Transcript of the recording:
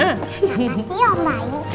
makasih om baik